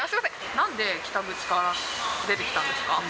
なんで北口から出てきたんですか？